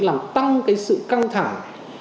làm tăng cái sự căng thẳng